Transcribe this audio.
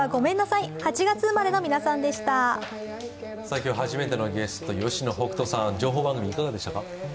今日初めてのゲストに吉野北人さん情報番組、いかがでしたか。